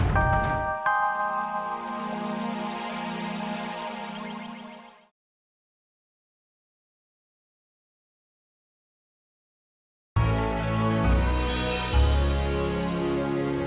kamu sudah pulang